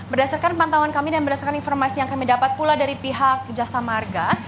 berdasarkan pantauan kami dan berdasarkan informasi yang kami dapat pula dari pihak jasa marga